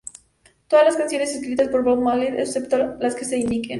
Todas las canciones escritas por Bob Marley, excepto las que se indiquen.